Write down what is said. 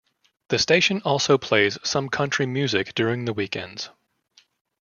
The station also plays some country music during the weekends.